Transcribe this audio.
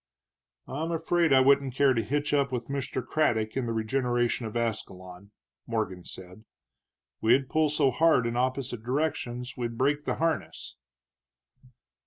"I'm afraid I wouldn't care to hitch up with Mr. Craddock in the regeneration of Ascalon," Morgan said. "We'd pull so hard in opposite directions we'd break the harness."